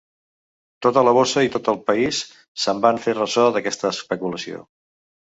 Tota la borsa, i tot el país, se'n van fer ressò d'aquesta especulació.